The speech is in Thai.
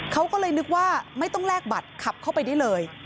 เขาก็เลยนึกว่าไม่ต้องแลกบัตรขับเข้าไปได้เลย